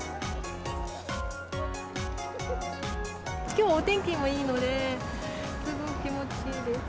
きょうお天気もいいので、すごく気持ちいいです。